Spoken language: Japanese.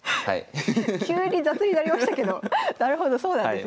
急に雑になりましたけどなるほどそうなんですね。